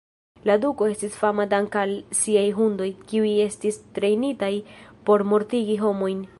La duko estis fama dank'al siaj hundoj, kiuj estis trejnitaj por mortigi homojn.